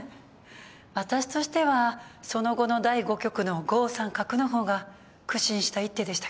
私としてはその後の第５局の５三角の方が苦心した一手でしたけど。